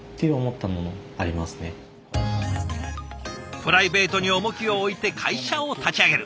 プライベートに重きを置いて会社を立ち上げる。